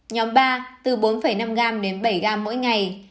nhóm ba từ bốn năm gram đến bảy gram mỗi ngày